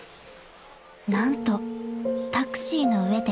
［何とタクシーの上で］